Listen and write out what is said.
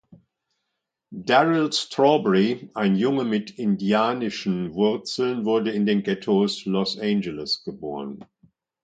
Darryl Strawberry, ein Junge mit indianischen Wurzeln, wurde in den Ghettos Los Angeles geboren.